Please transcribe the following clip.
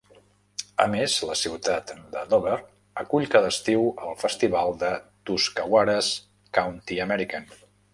A més, la ciutat de Dover acull cada estiu el Festival de Tuscawaras County-American.